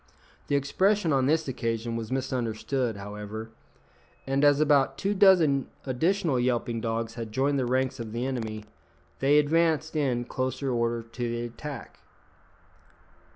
The expression on this occasion was misunderstood, however; and as about two dozen additional yelping dogs had joined the ranks of the enemy, they advanced in close order to the attack.